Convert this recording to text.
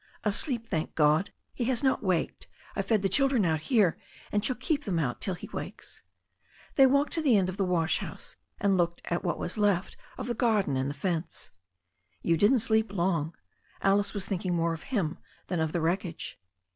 "Asleep, thank God! He has not waked. I fed the chil dren out here, and shall keep them out till he wakes.'* They walked to the end of the wash house, and looked at what was left of the garden and the fence. "You didn't sleep long." Alice was thinking more of him than of the wreckage.